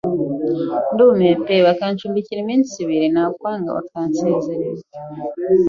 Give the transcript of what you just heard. ndumirwa pe, bakancumbikira iminsi ibiri nakwanga bakansezerera.